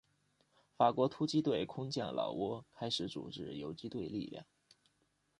法国突击队空降老挝开始组织游击队力量。